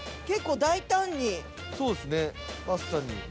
結構大胆に。